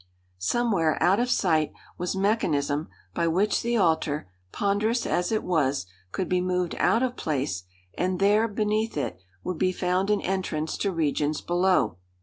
Somewhere, out of sight, was mechanism by which the altar, ponderous as it was, could be moved out of place; and there, beneath it, would be found an entrance to regions below.